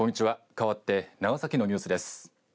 かわって長崎のニュースです。